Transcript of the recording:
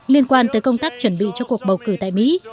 liên quan tới công tác chuẩn bị cho cuộc bầu cử tại mỹ